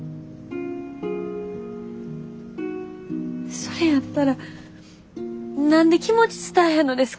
それやったら何で気持ち伝えへんのですか？